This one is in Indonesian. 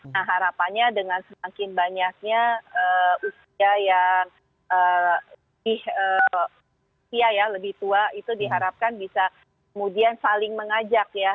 nah harapannya dengan semakin banyaknya usia yang lebih ya lebih tua itu diharapkan bisa kemudian saling mengajak ya